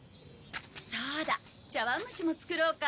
そうだ茶わん蒸しも作ろうか。